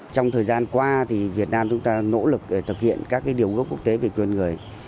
trong thời gian qua thì việt nam chúng ta nỗ lực thực hiện các điều gốc quốc tế về quyền người